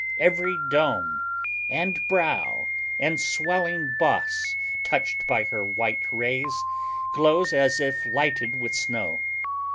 Every dome, and brow, and swelling boss touched by her white rays, glows as if lighted with snow.